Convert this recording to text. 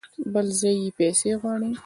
بل ځای يې پسې غواړه!